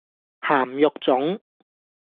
鹹肉粽